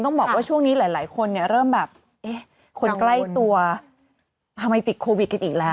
ต้องบอกว่าช่วงนี้หลายคนเนี่ยเริ่มแบบเอ๊ะคนใกล้ตัวทำไมติดโควิดกันอีกแล้ว